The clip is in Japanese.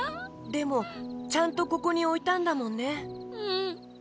でもちゃんとここにおいたんだもんね。